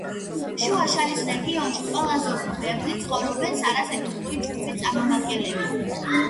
შუა შარის რეგიონში ყველაზე უფრო ბევრნი ცხოვრობენ სარას ეთნიკური ჯგუფის წარმომადგენლები.